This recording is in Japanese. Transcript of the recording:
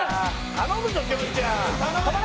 頼むぞきょんちゃん。